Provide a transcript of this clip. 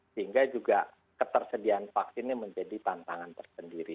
sehingga juga ketersediaan vaksin ini menjadi tantangan tersendiri